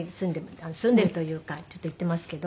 住んでるというかちょっと行ってますけど。